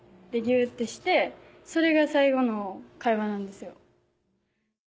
でギュってしてそれが最後の会話なんですよ。